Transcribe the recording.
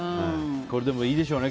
これ、いいでしょうね